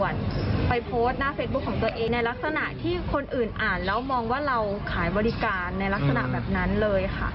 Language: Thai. ในลักษณะที่คนอื่นอ่านแล้วมองว่าเราขายบริการในลักษณะแบบนั้นเลยค่ะ